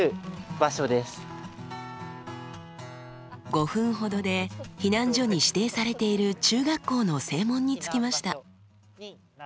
５分ほどで避難所に指定されている中学校の正門に着きました。